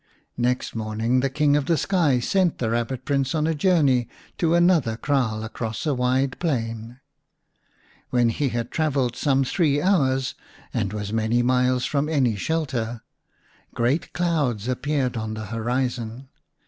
Next morning the King of the Sky sent the Eabbit Prince on a journey to another kraal across a wide plain. When he had travelled some three hours and was many miles from any shelter, great clouds appeared on the horizon.